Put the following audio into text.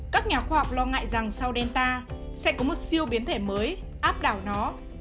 các nhà khoa học lo ngại rằng sau delta sẽ có một siêu biến thể mới áp đảo nó